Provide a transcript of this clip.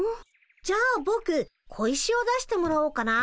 じゃあぼく小石を出してもらおうかな。